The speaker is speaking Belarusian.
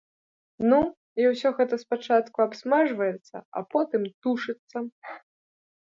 Ну, і ўсё гэта спачатку абсмажваецца, а потым тушыцца.